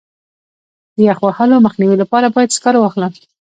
د یخ وهلو مخنیوي لپاره باید سکاره واخلم.